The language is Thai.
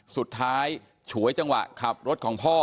สุดท้ายฉวยจังหวะขับรถของพ่อ